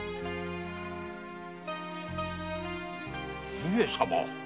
上様。